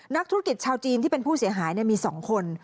นักธุรกิจชาวจีนที่เป็นผู้เสียหายมี๒คน